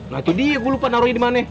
nah itu dia gue lupa naro di mana